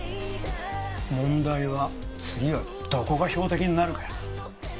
問題は次はどこが標的になるかやな。